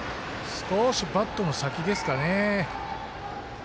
少しバットの先ですかね。